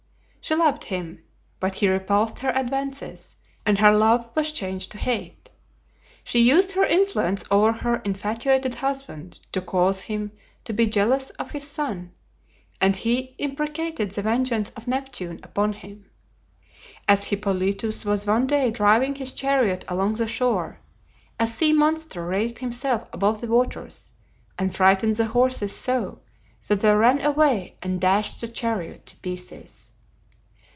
She loved him, but he repulsed her advances, and her love was changed to hate. She used her influence over her infatuated husband to cause him to be jealous of his son, and he imprecated the vengeance of Neptune upon him. As Hippolytus was one day driving his chariot along the shore, a sea monster raised himself above the waters, and frightened the horses so that they ran away and dashed the chariot to pieces.